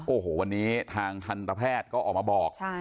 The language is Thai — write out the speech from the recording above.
โอ้โหวันนี้ทางทันตแพทย์ก็ออกมาบอก